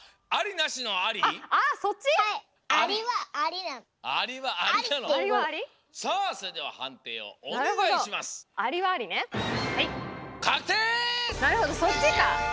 なるほどそっちか！